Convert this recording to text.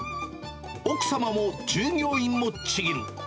奥様も、従業員もちぎる。